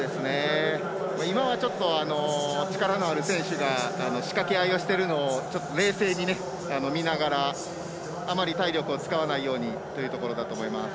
今は、力のある選手が仕掛けあいをしているのをちょっと冷静に見ながらあまり体力を使わないようにというところだと思います。